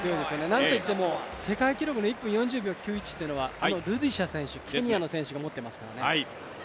なんといっても世界記録の１分４０秒９１というのはルディシャ選手、ケニアの選手が持ってますからね。